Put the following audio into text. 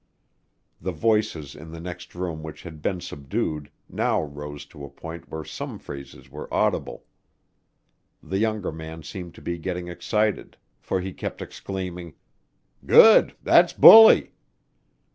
The voices in the next room which had been subdued now rose to a point where some phrases were audible. The younger man seemed to be getting excited, for he kept exclaiming, "Good. That's bully!"